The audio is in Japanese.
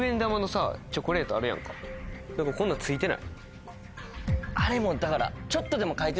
こんなんついてない？